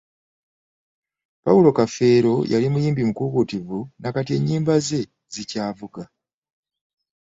Paul kafeero yali muyimbi mukuukuutivu nakati ennyimba ze zikyavuga.